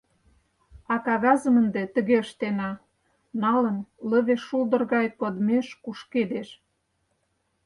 «А кагазым ынде тыге ыштена», — налын, лыве шулдыр гай кодмеш кушкедеш.